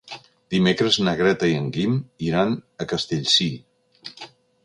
Dimecres na Greta i en Guim iran a Castellcir.